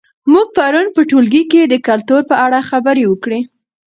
موږ پرون په ټولګي کې د کلتور په اړه خبرې وکړې.